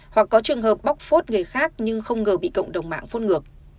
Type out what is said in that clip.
hoặc có trường hợp bóc phốt người khác nhưng không ngờ bị cộng đồng mạng phốt ngược